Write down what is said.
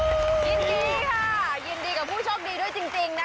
ยินดีค่ะยินดีกับผู้โชคดีด้วยจริงนะคะ